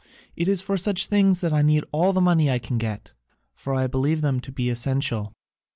It is for such things I need all the money I can get, for I believe them to be essential.